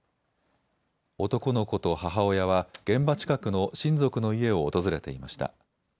男の子と母親は現場近くの親族の家を訪れていました。